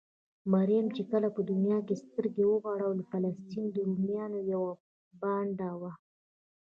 مريم چې کله په دونيا کې سترګې غړولې؛ فلسطين د روميانو يوه بانډه وه.